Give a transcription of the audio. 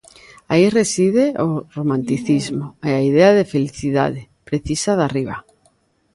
Aí reside o romanticismo e a idea de felicidade, precisa Darriba.